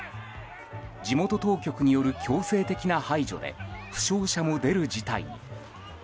地元当局による強制的な排除で負傷者も出る事態に。